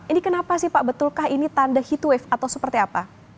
ini kenapa sih pak betulkah ini tanda headwave atau seperti apa